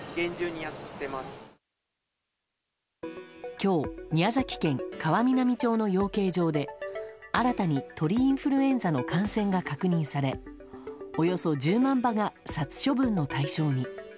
今日、宮崎県川南町の養鶏場で新たに鳥インフルエンザの感染が確認されおよそ１０万羽が殺処分の対象に。